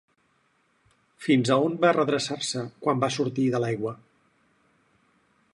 Fins a on va redreçar-se quan va sortir de l'aigua?